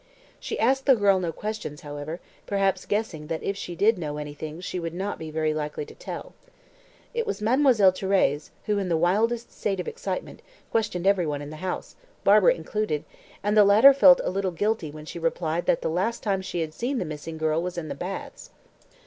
She asked the girl no questions, however, perhaps guessing that if she did know anything she would not be very likely to tell. It was Mademoiselle Thérèse who, in the wildest state of excitement, questioned every one in the house, Barbara included, and the latter felt a little guilty when she replied that the last time she had seen the missing girl was in the baths.